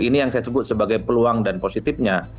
ini yang saya sebut sebagai peluang dan positifnya